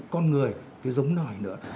con người thì giống nổi nữa